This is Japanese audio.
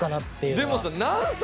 でもさ何歳？